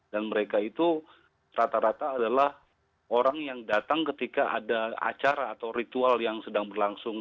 dan mereka itu rata rata adalah orang yang datang ketika ada acara atau ritual yang sedang berlangsung